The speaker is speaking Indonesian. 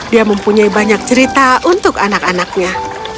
dia mempunyai banyak cerita untuk anak anaknya